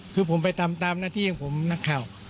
คือผมไปทำตามหน้าที่ของผมนักข่าว